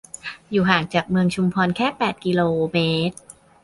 อยู่ห่างจากเมืองชุมพรแค่ แปด กิโลเมตร